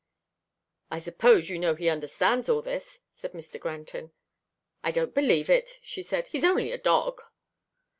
"I suppose you know he understands all this," said Mr. Granton. "I don't believe it," she said, "he's only a dog."